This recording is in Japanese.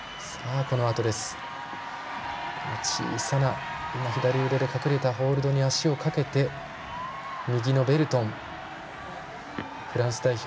小さな左腕で隠れたホールドに足を掛けて右のベルトン、フランス代表。